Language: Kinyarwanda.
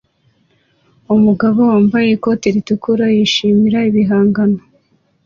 Umugabo wambaye ikoti ritukura yishimira ibihangano